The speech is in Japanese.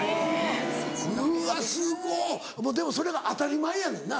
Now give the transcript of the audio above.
うわすごっでもそれが当たり前やねんな。